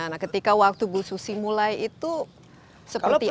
nah ketika waktu bususi mulai itu seperti apa